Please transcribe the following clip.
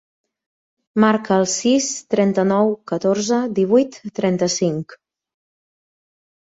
Marca el sis, trenta-nou, catorze, divuit, trenta-cinc.